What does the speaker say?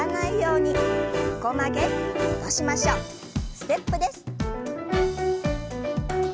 ステップです。